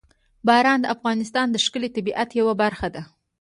باران د افغانستان د ښکلي طبیعت یوه برخه ده.